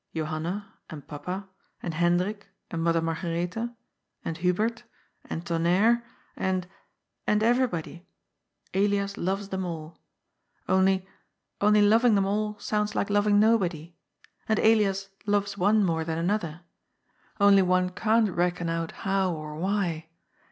Johanna, and papa, and Hendrik, and Mother Margaretha, and Hubert, and Tonnerre, and — ^and everybody. Elias loves them all. Only — only loving them all sounds like loving nobody. And Elias loves one more than another. Only one can't reckon out how or why.